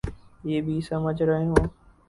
یہ بھی سمجھ رہے ہوں۔